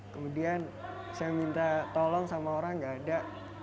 kemudian saya minta tolong sama orang nggak ada